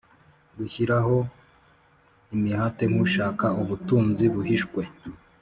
gushyiraho imihate nk ushaka ubutunzi buhishwe